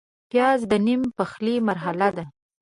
پیاز د نیم پخلي مرحله ده